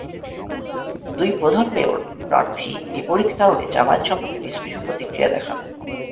দুই প্রধান মেয়র প্রার্থী বিপরীত কারণে জামায়াত সম্পর্কে নিস্পৃহ প্রতিক্রিয়া দেখান।